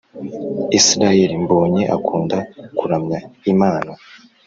israel mbonyi akunda kuramya Imana